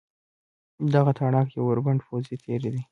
دغه تاړاک یو بربنډ پوځي تېری دی.